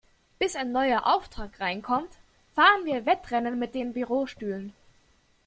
Bis ein neuer Auftrag reinkommt, fahren wir Wettrennen mit den Bürostühlen.